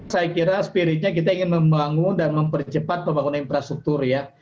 saya kira spiritnya kita ingin membangun dan mempercepat pembangunan infrastruktur ya